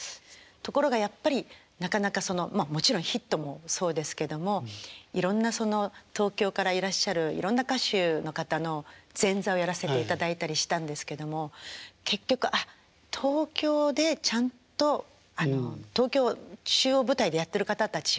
ところがやっぱりなかなかそのもちろんヒットもそうですけどもいろんな東京からいらっしゃるいろんな歌手の方の前座をやらせていただいたりしたんですけども結局ああ東京でちゃんと東京中央舞台でやってる方たちは違うんだと。